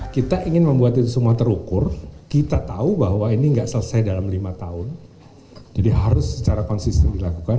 kita ingin membuat itu semua terukur kita tahu bahwa ini nggak selesai dalam lima tahun jadi harus secara konsisten dilakukan